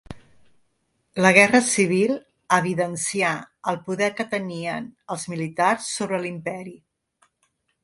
La guerra civil evidencià el poder que tenien els militars sobre l'imperi.